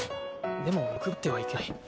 でも欲張ってはいけない。